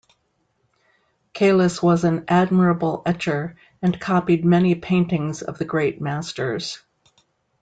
Caylus was an admirable etcher, and copied many paintings of the great masters.